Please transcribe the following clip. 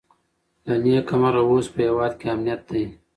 له نېکمرغه اوس په هېواد کې امنیت دی.